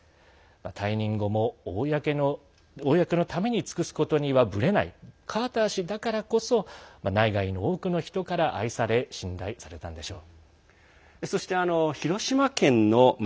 退任後も公のために尽くすことにはぶれない、カーター氏だからこそ内外に多くの人から愛され信頼されたんでしょう。